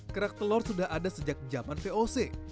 kerak telur sudah ada sejak zaman voc